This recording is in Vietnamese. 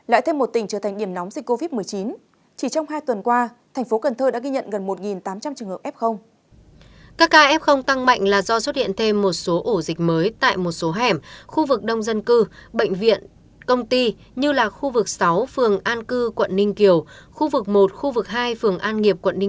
lại thêm một tỉnh trở thành điểm nóng dịch covid một mươi chín